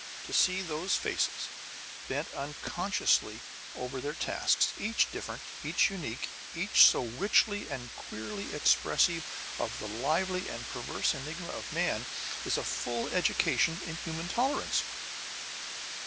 To see those faces, bent unconsciously over their tasks each different, each unique, each so richly and queerly expressive of the lively and perverse enigma of man, is a full education in human tolerance.